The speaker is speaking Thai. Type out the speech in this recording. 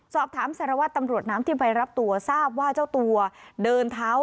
สารวัตรตำรวจน้ำที่ไปรับตัวทราบว่าเจ้าตัวเดินเท้า